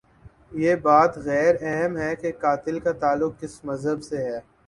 یہ بات غیر اہم ہے کہ قاتل کا تعلق کس مذہب سے ہے۔